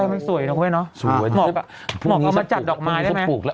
มันสวยเนอะหุ้ยนะ